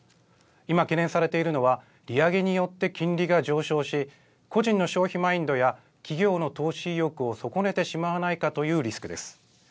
今、懸念されているのは、利上げによって金利が上昇し、個人の消費マインドや企業の投資意欲を損ねてしまわないかというリスクです。